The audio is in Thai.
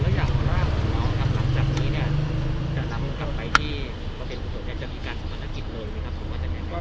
แล้วอย่างขวานหน้าของคุณครับหลังจากนี้เนี่ยจะนำกลับไปที่เป็นผู้โดยการจัดพิกัดขวานนักกิจเลยไหมครับ